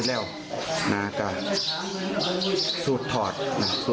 สายลูกไว้อย่าใส่